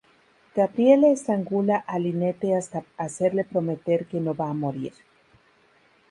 Gabrielle estrangula a Lynette hasta hacerle prometer que no va a morir.